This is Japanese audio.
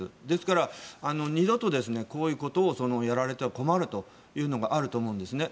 ですから二度とこういうことをやられては困るというのがあると思うんです。